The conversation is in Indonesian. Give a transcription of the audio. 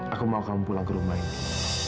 aku mau kamu pulang ke rumah ini